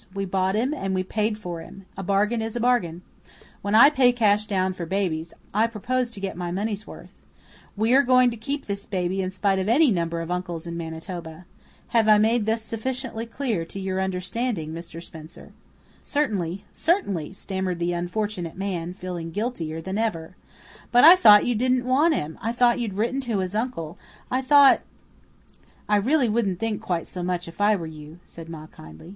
We bought him, and we paid for him. A bargain is a bargain. When I pay cash down for babies, I propose to get my money's worth. We are going to keep this baby in spite of any number of uncles in Manitoba. Have I made this sufficiently clear to your understanding, Mr. Spencer?" "Certainly, certainly," stammered the unfortunate man, feeling guiltier than ever, "but I thought you didn't want him I thought you'd written to his uncle I thought " "I really wouldn't think quite so much if I were you," said Ma kindly.